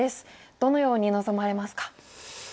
どのように臨まれますか？